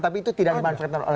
tapi itu tidak dimanfaatkan oleh